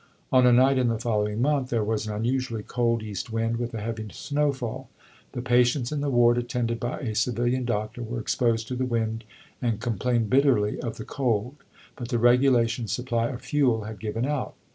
On a night in the following month, there was an unusually cold east wind, with a heavy snowfall. The patients in the ward attended by a civilian doctor were exposed to the wind and complained bitterly of the cold, but the regulation supply of fuel had given out.